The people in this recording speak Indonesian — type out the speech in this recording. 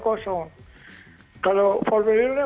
kosong kalau formidurnya